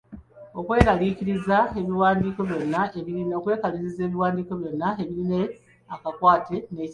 Okwekakaliriza ebiwandiiko byonna ebirina akakwate n’ekizibu